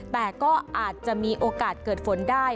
แต่ก็อาจจะมีโอกาสเกิดฝนได้